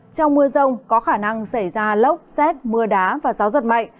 trong mưa rông có khả năng xảy ra lốc xét mưa đá và gió giật mạnh